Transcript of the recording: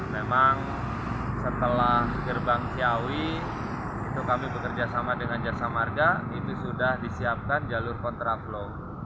memang setelah gerbang ciawi itu kami bekerja sama dengan jasa marga itu sudah disiapkan jalur kontraflow